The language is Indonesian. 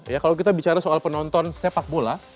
ya kalau kita bicara soal penonton sepak bola